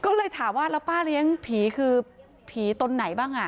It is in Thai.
ก็เลยถามว่าแล้วป้าเลี้ยงผีคือผีตนไหนบ้างอ่ะ